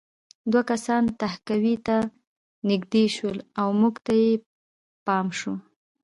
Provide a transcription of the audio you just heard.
دوه کسان تهکوي ته نږدې شول او موږ ته یې پام شو